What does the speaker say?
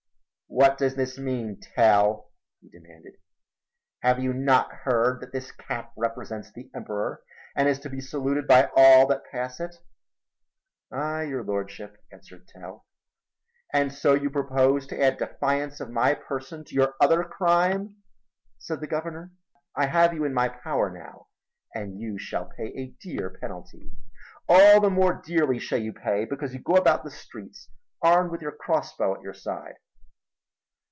"What does this mean, Tell?" he demanded. "Have you not heard that this cap represents the Emperor and is to be saluted by all that pass it?" "Aye, your Lordship," answered Tell. "And so you propose to add defiance of my person to your other crime?" said the Governor. "I have you in my power now and you shall pay a dear penalty. All the more dearly shall you pay because you go about the streets armed with your crossbow at your side."